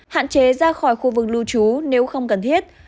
hạn chế ra khỏi khu vực lưu trú nếu không cần thiết